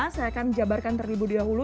saya akan jabarkan terlebih dahulu